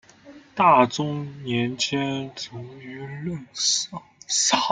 大中年间卒于任上。